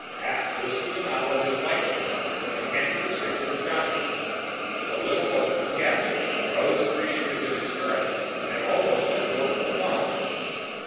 Pending twisted the knob on his lightening rod and handed the stick to the jockey. The little horseman gasped, rose three inches in his stirrups, and almost let go of the baton.